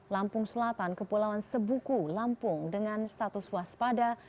lampung selatan kepulauan sebuku lampung dengan status waspada